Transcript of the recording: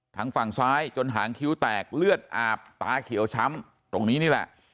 ฝั่งซ้ายจนหางคิ้วแตกเลือดอาบตาเขียวช้ำตรงนี้นี่แหละ